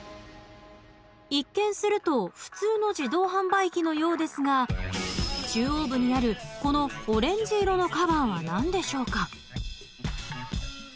一見すると普通の自動販売機のようですが中央部にあるこのオレンジ色のカバーは何でしょうか？